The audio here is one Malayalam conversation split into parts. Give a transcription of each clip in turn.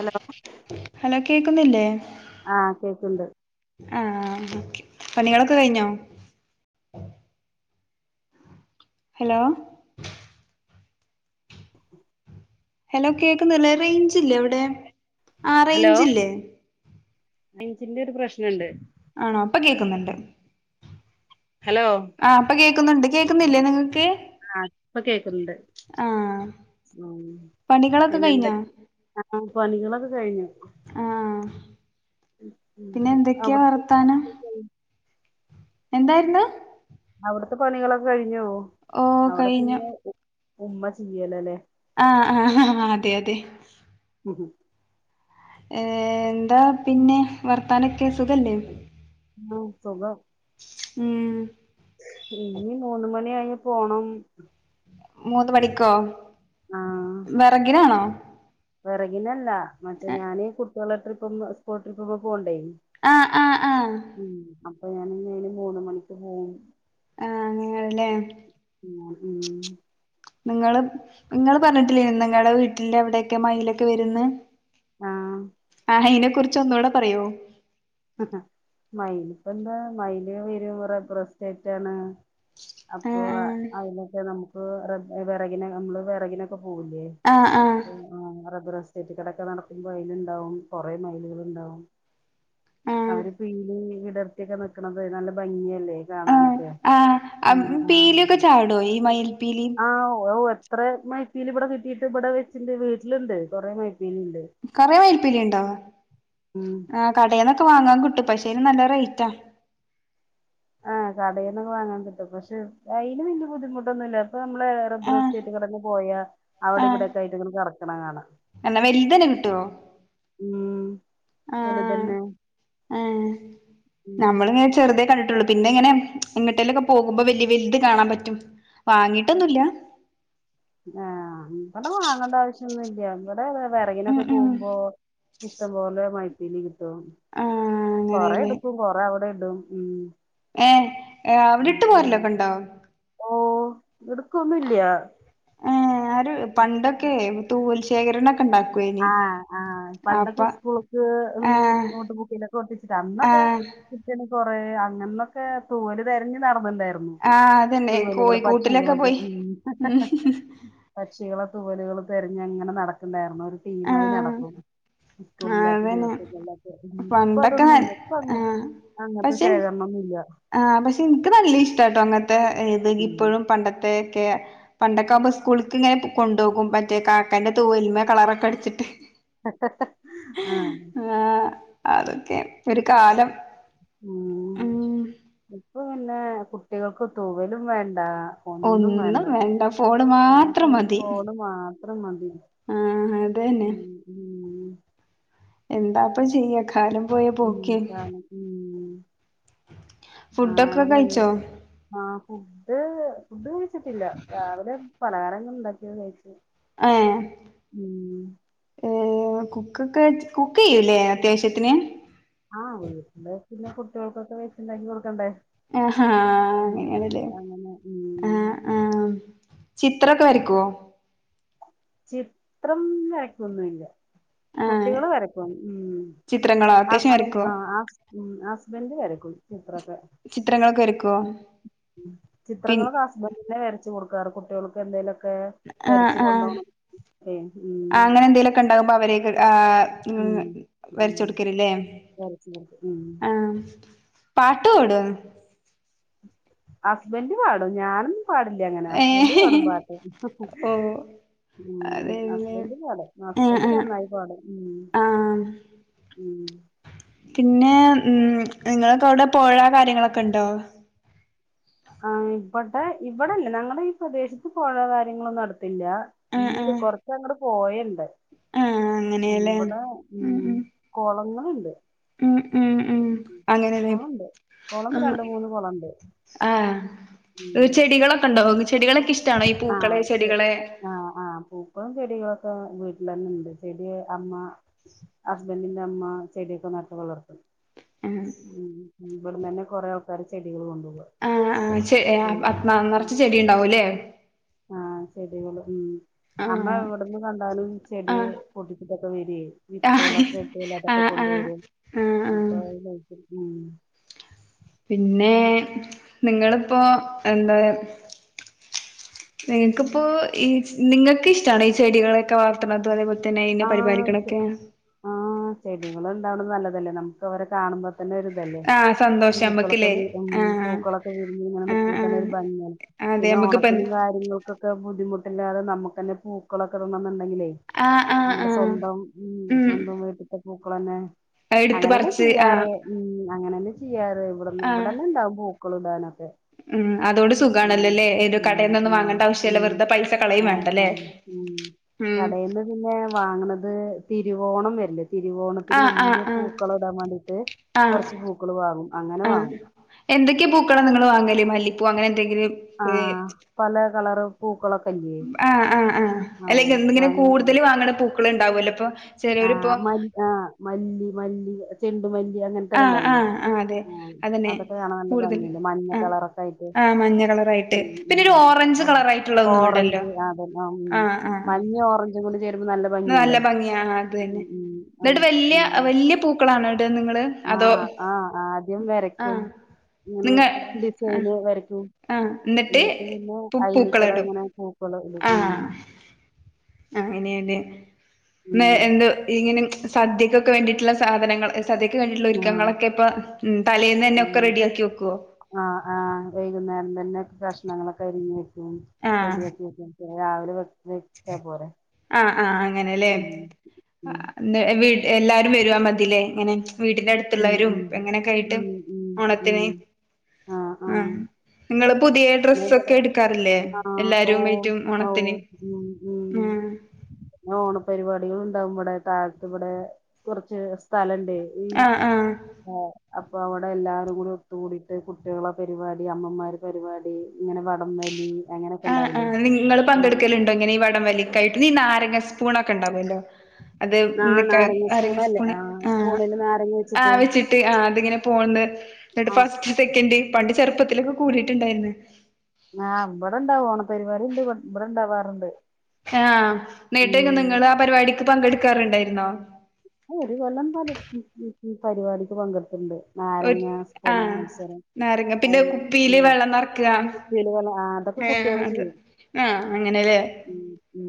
ഹലോ ഹലോ കേക്കുന്നില്ലേ? ആ കേക്ക്ണ്ട് ആഹ ഓെ അപ്പൊ നിങ്ങളൊക്കെ കഴിഞ്ഞോ? ഹലോ! ഹലോ കേക്കുന്നല്ലേ റേഞ്ച്ല്ലേ അവിടെ ആ റേഞ്ച്ല്ലേ അഞ്ചിന്റെ ഒരു പ്രശ്നുണ്ട് ആണോ അപ്പൊ കേക്കുന്നുണ്ട് ഹലോ ആഹ അപ്പൊ കേൾക്കുന്നുണ്ട് കേക്കുന്നില്ലേ നിങ്ങൾക്ക് ആ ഇപ്പൊ കേക്കുന്നുണ്ട് പണികളൊക്കെ പിന്നെ എന്ത കഴിഞ്ഞോ ആഹ പനികളൊക്കെ കഴിഞ്ഞു ആഹ് പിന്നെ എന്തൊക്കെയാ അവിടുത്തെ വർത്താനം എന്താര്ന്ന് അവിടത്തെ പണികളൊക്കെ കഴിഞ്ഞോ ഓഹ് കഴിഞ്ഞു അവിടെന്നെ ഉമ്മ ചീയല്ലോ അല്ലേ അ അ അ അതെ അതെ ഉ ഏർ എന്താ പിന്നെ വർത്താനൊക്കെ അ സുഖല്ലേ ഉ സുഖം ഉം ഇനി മൂന്ന് മണി ആയി പോണം മൂന്ന് പടിക്കോ ആ വിറകിനാണോ? വിറകിനല്ല മറ്റേ ഞാന്ൻ കുട്ടികളെ ട്രിപ്പ സ്കൂൾ ട്രിപ്പ്പ പോകണ്ടേ അ അ അ അപ്പോ ഞാനന് മൂന്ന മണിക്ക് പോവും ആഹ നിങ്ങളല്ലേ ആ ഉം നിങ്ങള് നിങ്ങള് പറഞ്ഞിട്ടില്ലേ നിങ്ങളടെ വീട്ടില് എവിടെയൊക്കെ മയിലൊക്കെ വരുന്ന് ആഹ! ആ ഇതിനെ കുറിച്ച് ഒന്നുകൂടെ പറയോ മയിലിപ്പ എന്താ മയിൽ വരുംറെബറ എസ്റ്റേറ്റ് ആണ് അപ്പൊ ആഹ് അതിനൊക്കെ നമുക്ക് വിറകിനെ നമ്മള് വിറകിനൊക്കെ പോവൂലെ ആഹ് ആഹ് സ്റ്റേറ്റ് കടൊക്കെ നടക്കുമ്പോ അലുണ്ടാവും കൊറെ മൈലുകൾ ഉണ്ടാവും ആഹ് അവര് പില് വിടർത്തിയക്കെ നക്കണത് നല്ല ഭംഗിയല്ലേ ആഹ് കാണൻക്കെ ആഹ് ആഹ് പീലിയൊക്കെ മ് ചാടോ ഈ മയിൽപ്പീലി ആഅ ഓൾ ഇത്ര മൈപ്പീൽ ഇവിടെ കിട്ടിട്ട് ഇവിടെ വെച്ചിണ്ട് വീട്ടിലുണ്ട് കുറേ മൈ കറ വേൽപ്പല ഉണ്ടോ ഉം ആ കട ക്കെ വാങ്ങാൻ കിട്ടും പക്ഷേന് നല്ല റേറ്റാ ആഹ കടയിന്നൊക്കെ വാങ്ങാൻ കിട്ടും പക്ഷെ അയിന് വല്യ ബുദ്ധിമുട്ടൊന്നുമല്ല അപ്പൊ നമ്മള് റെദ്ര ആഹ് സ്റ്റേറ്റ കന്ന് പോയാ അവിടെ ആഹ് ഇവിടക്കെ ആയിട്ടങ്ങൾ കറക്ണ കാണാം എന്നാ വലുതന്നെ ഉ ആ ആ ഉം നമ്മള ഇങ്ങനെ ചെറുതേ കണ്ടിട്ടുള്ളൂ പിന്ന എങ്ങനെ എങ്ങട്ടേലൊക്കെ പോകുമ്പോ വലിയ വലിയത് കാണാൻ പറ്റും വാങ്ങീട്ടൊന്നുമല്ല ന്നല്ല നമ്മടെ ഉം വിറകിനൊക്കെ ഉം പോകുമ്പോ ഇഷ്ടംപോലെ മഴയിപ്പീലി ടും ആഹ് കൊറ എടുക്കും കൊറ അവിടെ ഇടും ഉ ഏ അവടെ ഇട്ട് പോരല്ലോ ഒക്കെ ഉണ്ടോ ഓ എടുക്കൊന്നുംല്ല ഏ ആര് പണ്ടൊക്കെ തൂവൽഇഷ് ആഹ് ആഹ് പണ്ടൊക്കെ അപ്പൊ സ്കൂളക്ക് ഈ ആഹ് നോട്ട് ബുക്കിലൊക്കെ ഒട്ടിച് ആഹ് ന്നൊക്കെപിറ്റേന്നകൊറേ അങ്ങ ന്നൊക്കെ തോവല്തെരഞ്ഞ്നട ന്ന്ഇണ്ടായിരുന്നു ആഹ് അതന്നെ മ് ഇത്പോലെ കോഴിക്കൂട്ടിലൊക്കെ പോയി പക്ഷികളെക്കെമ് ഉം പക്ഷിളെക്കെ തുവലുകൾ തെരഞ് ഇങ്ങനെ നടക്കണ്ടായിരുന്നു ഒരു ടീമായി ആഹ് നടക്കും ആഹ് ഇപ്പല്ലാത്ത അതന്നെ ദിവസങ്ങളിലൊക്കെ മ് പണ്ടൊക്കെ നൽ പ്പതൊന്ന്ഇല്ല ഇപ്പ അങ്ങനത്തെ ശേഖരണമൊന്നില്ല. ആ പക്ഷെ എനിക്ക് നല്ല ഇഷ്ടാട്ടോ അങ്ങനത്തെ ഇത് ആഹ് ഉം ഇപ്പോഴും പണ്ടത്തെ ക്കെ പണ്ടൊക്കെആവുപോ സ്കൂളക്ക് ഇങ്ങനെ കൊണ്ടുപോകും മറ്റേ കാക്കന്റെ തൂവല്മേ കളറൊക്കെ അടിച്ചിട്ട് ആ ങേ ആ അതൊക്കെ ഒരു കാലം ഉം ഇപ്പ പിന്നെ കുട്ടികൾക്ക് തൂ വലും വേണ്ട ഒന്നും വേണ്ട ഫോണ് മാത്രം മതി ത്രമതി ആ അതന്നെ എന്താപ്പ ചെയ്യക്കാരം ഉം പ ഉം [unintelligible] ഫുഡൊക്കെ കഴിച്ചോ ഫുഡ് ഫുഡ് കഴിച്ചിട്ടില്ല രാവിലെ പലഹാരംങ്ങെള് ഉണ്ടാക്കിയത് കഴിച്ച് ഏഹ് ഉം. കുക്കൊക്കെചി കുക്ക് ചെയ്യൂല്ലേ അത്യാവശ്യത്തിന് ആ വീട്ടിലെ പിന്നെ കുട്ടികൾക്കൊക്കെ വെച്ചുണ്ടാക്കി കൊടുക്കണ്ടേ ആ ആ ഉം അങ്ങനണല്ലേ അങ്ങനെ ആ ഉം ആ ചിത്രൊക്കെ വരക്കുവേ ചിത്രം വരക്കൊന്നല്ല ആഹ് കുട്ടികള് വരക്കുന്നു ഉ ചിത്രങ്ങളോ അത്യാവശ്യം ഹസ്ബൻ വരയ്ക്കുവോ ആ ഹസ്ഹസ്ബൻഡ് വരക്കും ചിത്രക്കെ ചിത്രങ്ങളൊക്കെവര മ് ചിത്രങ്ങളെക്കെഹസ്ബൻഡ് തന്നെ വരച്ചു കൊടുക്കാറ് കുട്ടികൾക്ക് എന്തെലുഒക്കെ ഒക്കെ വരിച്ച് കൊണ്ടോണം ആ അങ്ങനെ എന്തേലുക്കെ ഉണ്ടാകുമ്പോ അവരെ ആ ഉ ഉം വരച്ച് ഉം കൊടുക്കലില്ലേ ആഹ് [unintelligible] പാട്ട് പാടോ ഹസ്ബെൻഡ് പാടും ഞാന് ഞപാടില്ലഅങ്ങെനെ ഏഹ് ഹസ്ബൻഡ് പാടുംപാട്ട് ഹ് ഹ് ഹ് ഓഹ് ഉം അതെല്ലേ ഹസ്ബാൻഡ് പാടും ആഹ് ഹസ്ബന്ഡ് ആഹ് നന്നായിപാടും ഉം.. ആഹ് ഉം പിന്നെ ഉം നിങ്ങക്ക് അവിടെ പോഴ കാര്യങ്ങളൊക്കെ ഉണ്ടോ ആ ഇവടെ ഇവിടെല്ലേ ഞങ്ങടെ ഈ പ്രദേശത്ത് പോഴ കാര്യങ്ങളൊന്നും അടുത്ത ല്ല്യ ആഹ് ഇണ്ട് ആഹ് കൊറച്ച അങ്ങട് പോയണ്ട് ആഹ് ഉ അങ്ങനെയല്ലേ ഇവിടെ ഉ ഉം ഉം കോളങ്ങള്ണ്ട് ഉം ഉം ഉം അങ്ങനെല്ലേ കുളണ്ട് കുളം രണ്ട് മൂന്ന് കുളണ്ട് ഉം ഇ ചെടികളൊക്കെ ഉണ്ടാവും ചെടികളൊക്കെ ഇഷ്ടണോ ഈ പൂക്കളെ ആഹ് ശരി ചെടികളെ ആഹ് ആഹ് പൂക്കളും ചെടികളൊക്കെ വീട്ടിൽ തന്നെഇണ്ട് ചെടി അമ്മ ഹസ്ബൻഡിന്റെ അമ്മ ചെടിയൊക്കെനട്ട് വളർത്തുംഉം ആഹ് ഇവിട തന്നെ കൊറെ ആൾക്കാര് ചെടികള് കൊണ്ടുപോക അ ചെ അ‌ ന നിറച്ച ചെടി ഉണ്ടാവുംല്ലേ ആഹ് ചെടികള് ഉം അമ്മ എവിടന്ന് കണ്ടാലും ചെടി ആഹ് പൊട്ടിച്ചിട്ടക്കെ വരെ ആഹ് വിത്തുകളൊക്കെഇത്തിലപ്പം ആഹ് കൊണ്ട വര ആഹ് ആഹ് ആഹ് അപ്പൊ അ പിന്നെ നിങ്ങിളിപ്പോ എന്താ നിങ്ങൾക്കിപ്പോ ഈ നിങ്ങൾക്ക് ഇഷ്ടണ് ഈ ചെടികളൊക്കെ വളർത്തണതും അതേപോലെ തന്നെ ഇന്നെ പരിപാലിക്കണൊക്കെ ചെടികള ഉണ്ടാവണം നല്ലതല്ലേ നമുക്ക് അവരെ കാണുമ്പോ തന്നെ ഒരുരി ഇതല്ലേ ആഹ് സന്തോഷം പൂക്കളൊക്കെ നമ്മക്കില്ലേ ഉ ആഹ് പൂക്കളൊക്കെ വിരിഞ്ഞ് ഇങ്ങനെ ആഹ് നക്കുമ്പോ തന്നെ ആഹ് ഒരു ഭംഗിയാണ് അതെ പിന്നെ നമ്മക്കിപ്പ ഓണത്തിനും കാര്യങ്ങൾക്കൊക്കെ ബുദ്ധിമുട്ടില്ലാതെ നമ്മുക്ക് തന്നെ പൂക്കളൊക്കെ ഉണ എന്നുണ്ടെങ്കിലേ ആഹ് ആഹ് നമ്മുടെ ആഹ് സ്വന്തം ഉ ഉം സ്വന്തം വീട്ടിത്തെ പൂക്കളന്നെ എടുത്ത് അങ്ങനെ തന്നെ പറിച്ച് ആഹ് ചെയ്യാറ് ഉ അങ്ങനെ തന്നെ ചെയ്യാറ് ഇവിടെ ആഹ് ഇവിടെന്നെ ഇണ്ടാവും പൂക്കൾ ഇടാന ക്കെ ഉം അതോണ്ട് ഉ സുഖാണല്ലോല്ലേ ഏതോ ആ കടേന്നൊന്നും ആ വാങ്ങണ്ട ഉ ആവശ്യല്ല വെറുതെ പൈസ കളയും ആ ആ വേണ്ടല്ലേ ഉ ഉം കടൽന്ന് പിന്നെ വാങ്ങണത് തിരുവോണം വരില്ല തിരുവോണത്തിൽ ആഹ് ആഹ് വലിയ ആഹ് പൂക്കൾ ഇടാൻ വേണ്ടിട്ട് കുറച്ച് പൂക്കള് വാങ്ങും അങ്ങനെ വാങ്ങും എന്തൊക്കെയാ പൂക്കളം നിങ്ങള്ൾ വാങ്ങല്േ മല്ലിപ്പൂ അങ്ങനെ എന്തെങ്കിലും പൂക്കള ആഹ് ആഹ് ആഹ് അല്ലെങ്ക എങ്ങനെ കൂടുതൽ വാങ്ങണ പൂക്കൾ ഉണ്ടാവൂല്ലോ ഇപ്പൊ ആ ചെലോരിപ്പോ മ ആ മല്ലി മല്ലി ചെ ഉണ്ടുമല്ലി അങ്ങനത്തെൊക്കെ ആഹ് ഉണ്ടാവില്ലേ ആഹ് ആഹ് അതെ ആ അതന്നെ അതൊക്കെ കാണാൻ നല്ല കൂടുതൽ ഭംഗിയല്ല മഞ്ഞ ആഹ് കളറൊക്കെ ആയിട്ട് ആഹ് മഞ്ഞ ഉ കളറായിട്ട് പിന്നെ ഒരു ഓറഞ്ച് ഉ കളറായിട്ടുള്ള ഒന്നും ഉണ്ടല്ലോ ഓറഞ്ച് അതെല്ല ഉ ആഹ് ആഹ് മഞ് ഓറഞ്ച്ും കൂടി ചെയ നല്ല ഭംഗിയല്ലേ ഭംഗിയാ ആഹ് അത് ഉ തന്നെ ഉ എന്നിട്ട് അതൊക്കെ വല്യ ഉ വല്യ പൂക്കളാണോ ഇടാ ആ ആഹ ആദ്യം വറെ ആഹ അങ്ങനെ ഡിസൈന് വരക്കും എന്നിട്ട് പിന്നെ പൂ അയിനക്കട പൂക്കളിടും ഇങ്ങനെ പൂക്കള ഇള്ള ഉ ആഹ് അങ്ങനെയല്ലേ ഉം എന്തോ ഇങ്ങനെ സദ്യക്കൊക്കെ വേണ്ടിട്ടുള്ള സാധനങ്ങൾ ധക്ക് വേണ്ടിട്ടുള്ള ഉം ആഹ് ഒരുക്കങ്ങളൊക്കെ ഇപ്പൊ ഉം തലേൽന്ന് തന്നെ ഒക്കെ റെഡിയാക്കി വെക്കുവോ ആഹ ആ വൈകുന്നേരം തന്നെ കഷ്ണങ്ങളൊക്കെരിഞ്ഞ് വെക്കും റെഡിയാക്കി വെക്കും രാവിലെ വെ വെച്ചാ പോരെ ആഹ ആഹ് ഉം ഉം അങ്ങനെല്ലേീട് എല്ലാരും വരുവാ മതില്ലേ എങ്ങനെ വീടിന്റെ ഉം അടുത്തുള്ളവരും ഉം ഇപ്പ എങ്ങനെയൊക്കെ ആയിട്ട് ഉം ഉം ഉം ഓണത്തിന് ആഹ് ആഹ നിങ്ങള പുതിയ ഡ്രസ് ഒക്കെ ആഹ് എടുക്കാറില്ലേ ആഹ് എല്ലാരുംമായിറ്റും ഓഹ് ഓണത്തിന് ഓഹ് ഉം ഓണപരിപാടികൾ ഉണ്ടാവും ഇവിടെ താഴത്ത് ഇവിടെ കുറച്ച് സ്ഥലംു ആഹ് ആഹ് ആ അപ്പ അവിടെ എല്ലാവാരും കൂടി ഒത്തുക കൂടിയിട്ട് കുട്ടികളെ പരിപാടി അമ്മമാർ പരിപാടി ഇങ്ങനെ വടംവലി ആഹ് ആഹ് നിങ്ങള് പങ്കെടുക്കലുണ്ടോ ഇങ്ങനെ ഈ വടം വലിക്കായിട്ട് നീ നാര സ്പൂൺ ഒക്കെ ഉണ്ടാവുമല്ലോ അത് ആ നാരങ്ങ അര സ്പൂണല്ലേ സ്പൂണ് ആ സ്പൂണില് നാരങ്ങ ആ വെച്ചിട്ട് അനെ പോന്ന് എന്നിട്ട് ആ ഫസ്റ്റ് സെക്കൻ് പണ്ട് ചെറുപ്പത്തിലൊക്കെ കൂടിട്ടുണ്ടായിന്ന് ആ ഇവിടെ ഉണ്ടാവും ഓണ പരിവാാ ഉണ്ട് ഇവിടെ ഉണ്ടാവാറുണ്ട് ആഹ് നേട്ടേക്കെ നിങ്ങൾ ആ പരിപാടിക്ക് പങ്കെടുക്കാറുണ്ടായിരുന്നോ ഒരു കൊല്ലം പല പരിപാടിക്ക് പങ്കെടുത്തിുണ്ട് ഒരു നാരങ്ങ സ്കൂള ആഹ് മത്സരം നാരങ്ങ പിന്നെ അത് കുപ്പിയില് വെള്ളം നറക്കുക ഉ അതൊക്കെ ഏഹ് കുട്ടികള് അത് ചെയ്യും ആഹ് അങ്ങനെല്ലേ ഉ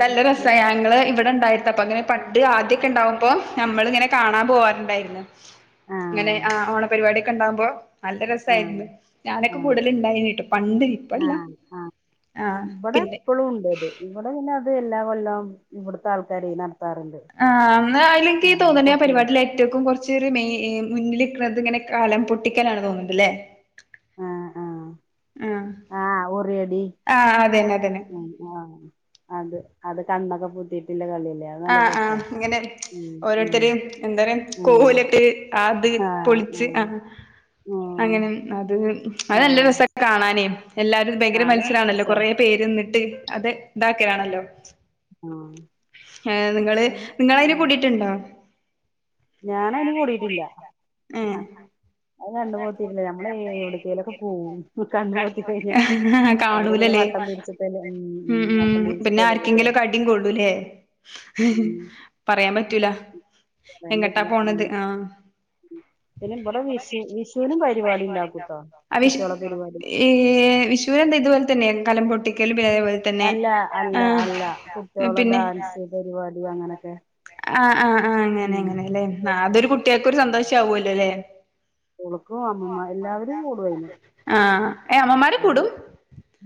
നല്ല രസായങ്ങള് ഇവിടെ ണ്ടായി അപ്പൊ അങ്ങനെ പ ആദ്യൊക്കെ ഉണ്ടകുമ്പോ നമ്മൾ ഇങ്ങനെ കാണാൻ പോവാറുണ്ടായിരുന്നു ആ അങ്ങനെ ആ ഓണ പരിപാടി ഒക്കെണ്ടാവുമ്പോ നല്ല ആ രസമായിരുന്നു ആ ഞാനൊക്കെ കൂടുതൽ ഇണ്ടായിന് കേട്ടു പണ്ട് ആ ഇപ്പല്ല ആ ആഹ് ഇവിടെ പിന്നെ എപ്പോളും ഉണ്ട് അത് ഇവിടെ പിന്നെ അത് എല്ലാ കൊല്ലം ഇവിടുത്തെ ആൾക്കാരെ നട ആ അന്നാ അല്ലെങ്കി തോന്നുന്ന കുട്ടിക പരിപാടിൽ ഏറ്റക്കും കുറച്ച മെയി മുന്നിൽ ഇക്കണത് ഇങ്ങനെ കലം പൊട്ടിക്കലാണ് തോന്നുന്നുണ്ടല്ലേ ആ ആ ആഹ് ആ ഉറി അടി ആഹ് അതന്നെ അതന്നെ ഉം ആഹ് അത് അത് കണ്ണോക്കെ പൊത്തിയിട്ടില്ല കളി ആഹ് ആഹ് അങ്ങനെ ഉം ഓരോരുത്തര് എന്താ പറയാ ഉം കോലൊക്കെ അത് ആ പൊളിച്ച് ഉം ആ ഉം അങ്ങനെ അത് അത് ആ നല്ല രസാ കാണാന് എല്ലാരും ആ ഭയങ്കര അത് നല്ല മത്സരാണല്ലോ രസാ കൊറേ പേര്ന്നിട്ട് അത് ഇണ്ടാക്കലാണല്ലോ ആഹ് ഏ നിങ്ങള് നിങ്ങള് അതിന് കൂടിട്ടുണ്ടോ? ഞാൻ അതിന് കൂടിയിട്ടില്ല ഹ് ഹാ ഏഹ് അത് കണ്ണുപൊത്തിട്ടില്ലേ ഞമ്മള് എവിടേക്കേലുമൊക്കെ പോവും കണ്ണുപൊത്തി കഴിഞ്ഞ അവരിങ്ങനെ വ കാണൂലല്ലേ ഉം ഉം പിന്നെ തിരിച്ചിട്ടല്ലേ വിടുക ആർക്കെങ്കിലും അടിയും കൊള്ളൂല്ലേ ഹ് ഹ് ഉം പറയാൻ പറ്റൂല എങ്ങട്ടാ പോണത് ആ പിന്ന ഇബടെ വിഷ് വിഷ്‌ കുട്ടികളെ പരിപാടി ഏ വിഷൂന്താ ഇത്പോലെ തന്നെ കലം പൊട്ടിക്കലും അതേപോലെ തന്നെ അല്ല അല്ല ആ അല്ല കുട്ടികളെ പിന്നെ ഡാൻസ് പരിപാടി അങ്ങനൊക്കെ ആഹ് ആഹ് ആഹ് അങ്ങനെ ഉം അങ്ങനെ അല്ലെ ആ അതൊരു കുട്ടികക്കൊരു സന്തോഷ ആവുല്ലോ ല്ലെ കുളക്കും അമ്മമ്മ എല്ലാവരും കൂടും അയിന് ആഹ് ഏ അമ്മമാര് ഉം കൂടും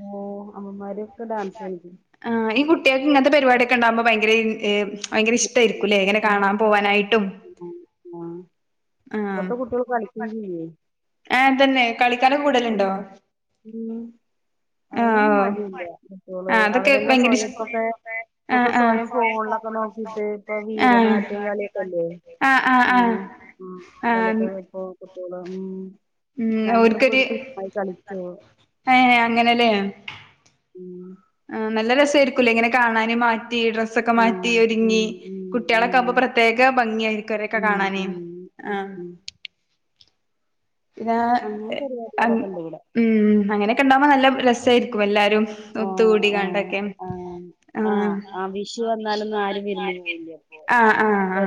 ഓ അമ്മമാര് ഒക്കെ ഡാൻസ് കളിക്കും ആഹ് ഈ കുട്ടികൾക്ക് ഇങ്ങനത്തെ പരിപാടി യൊക്കെ ഇണ്ടാകുമ്പോ ഭയങ്കര ഇ ഭയങ്കര ഇഷ്ടമായിരിക്കൂല്ലേ ഇങ്ങനെ കാണാൻ പോവാനായിട്ടും മ് ആ ആഹ് ഇവിടത്തെ കുട്ടികൾ കളിക്കൊന്നുല്ലേ പിന്നെ കളിക്കാന് കൂടലുണ്ടോ ഉം അയിനൊന്നും മടിയില്ല മറ്റോള് ആഹ് അതൊക്കെ അവരന്നെ ഭയങ്കര ഇഷ് സ്വയാട്ടൊക്കെ ആഹ് ഇപ്പൊക്കെ ആഹ് സ്വയം ഫോണിലൊക്കെ നോക്കിട്ട് ഇപ്പൊ ആഹ് വീരനാട്യം കളിയൊക്കല്ലേ ആഹ് ആഹ് ആഹ് അങ്ങനെ ആ ആഹ് കലക്ക് ഇപ്പൊ കുട്ട്യോള് ഉം ഉം ഞങ്ങളിപ്പോ ഓർക്കൊരു ഒരു ടീമായി കളിച്ച് അയ് അങ്ങനെല്ലേ ഉം ആ നല്ല രസമായിരിക്കൂല്ലേ ഇങ്ങനെ കാണാനും മാറ്റ് റ്റി ഡ്രസ്സൊക്കെ ആഹ് മാറ്റി ഉം ഒരുങ്ങി ഉം ഉം കുട്ടികളൊക്കെ ആമ്പോ പ്രത്യേക ഭംഗിയ ആയിരിക്കും അവരൊക്കെ ഉം കാണാന് ഉം ഉം ആഹ് ഉം പിന്നെ അങ്ങനെ അ പരിപാടികളൊക്കെ ഉണ്ട് ഇവിടെ ഉം അങ്ങനെയൊക്കെ ഇണ്ടാവകുമ്പോ നല്ല രസായിരിക്കും എല്ലാരും ആഹ് ഒത്തുകൂടി ആഹ് കണ്ടൊക്കെ ആഹ് ആഹ് വിഷു വന്നാലൊന്നും ആരും വിരുന്ന് പോവില്ല അപ്പൊ ആ ആഹ് ആ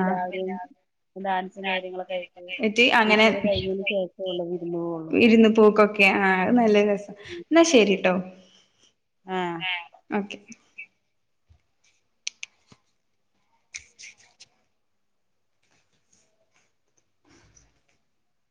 സ്സും കാര്യങ്ങളൊക്കെ ആയിട്ട് വിഷുവൊക്കെ കഴിഞ്ഞതിന് ശേഷമേ ഉള്ളൂ വിരുന്ന് പോവുള്ളു ഇരുന്ന് പോക്കൊക്കെ ആഹ് അത് നല്ല രസ എന്നാ ശരിട്ടോ ആഹ് ഒക്കെ